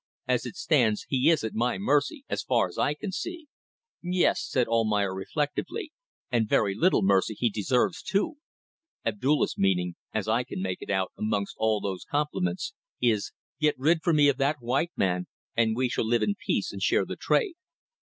As it stands he is at my mercy, as far as I can see." "Yes," said Almayer, reflectively "and very little mercy he deserves too. Abdulla's meaning as I can make it out amongst all those compliments is: 'Get rid for me of that white man and we shall live in peace and share the trade."